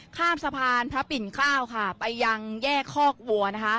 ข้ามสะพานพระปิ่นข้าวไปยังแยกคอกวัว